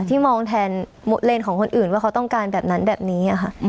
ที่มองแทนเลนส์ของคนอื่นว่าเขาต้องการแบบนั้นแบบนี้ค่ะ